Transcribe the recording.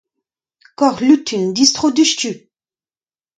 Kaoc'h lutun ! Distro diouzhtu !